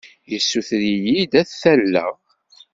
Yessuter-iyi-d ad t-alleɣ.